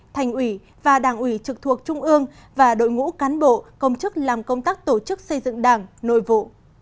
thành ủy và đảng ủy trực thuộc trung ương và đội ngũ cán bộ công chức làm công tác tổ chức xây dựng đảng nội vụ